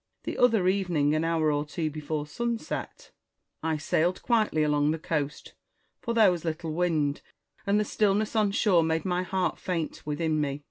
The other evening, an hour or two before sunset, I sailed quietly along the coast, for there was little wind, and the stillness on shore made my heart faint within me.